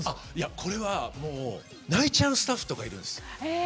これは、泣いちゃうスタッフとかいるんですよ。